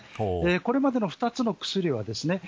これまでの２つの薬はですね